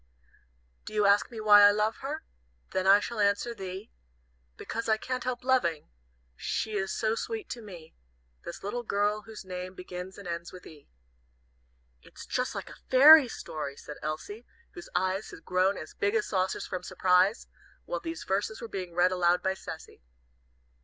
"Do you ask me why I love her? Then I shall answer thee, Because I can't help loving, She is so sweet to me, This little girl whose name begins and ends with 'E.'" "It's just like a fairy story," said Elsie, whose eyes had grown as big as saucers from surprise, while these verses were being read aloud by Cecy.